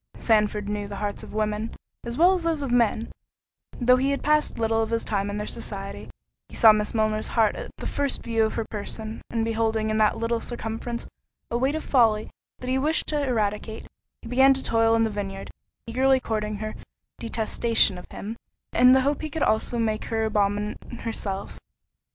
Sandford knew the hearts of women, as well as those of men, though he had passed little of his time in their society—he saw Miss Milner's heart at the first view of her person; and beholding in that little circumference a weight of folly that he wished to eradicate, he began to toil in the vineyard, eagerly courting her detestation of him, in the hope he could also make her abominate herself.